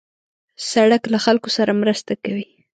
سړک له خلکو سره مرسته کوي.